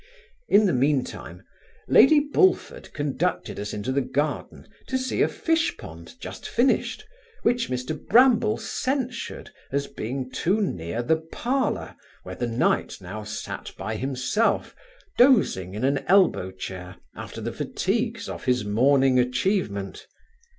In the mean time, lady Bullford conducted us into the garden to see a fishpond just finished, which Mr Bramble censured as being too near the parlour, where the knight now sat by himself, dozing in an elbow chair after the fatigues of his morning atchievement.